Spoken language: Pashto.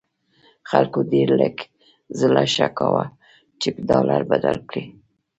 خلکو ډېر لږ زړه ښه کاوه چې ډالر بدل کړي.